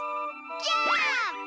ジャンプ！